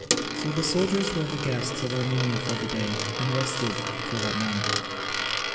So the soldiers were the guests of Armenia for the day, and rested for that night. [C.